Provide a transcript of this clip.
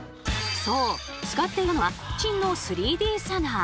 そう使っていたのは最新の３Ｄスキャナー。